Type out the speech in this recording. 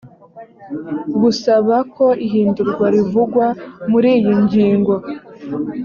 gusaba ko ihindurwa rivugwa muri iyi ngingo